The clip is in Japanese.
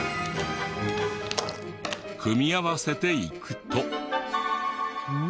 組み合わせていくと。